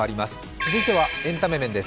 続いてはエンタメ面です。